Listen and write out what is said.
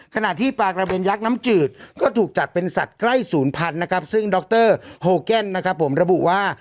ขณะที่ปลากระเบนยักษ์น้ำจืดก็ถูกจัดเป็นสัตว์ใกล้ศูนย์พันธุ์นะครับซึ่งดรโฮแกนนะครับผมระบุว่า